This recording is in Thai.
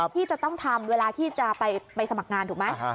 ที่จะต้องทำเวลาที่จะไปสมัครงานถูกไหม